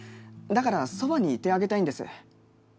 だからそばにいてあげたいんです。